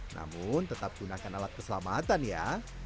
namun tetap gunakan alat keselamatan ya